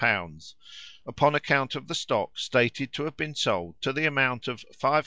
upon account of stock stated to have been sold to the amount of 574,500l.